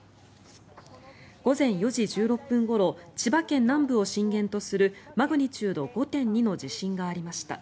午前４時１６分ごろ千葉県南部を震源とするマグニチュード５．２の地震がありました。